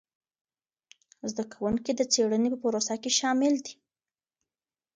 زده کوونکي د څېړنې په پروسه کي شامل دي.